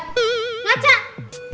liat ya udah